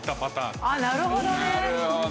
なるほど。